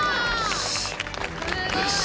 すごい！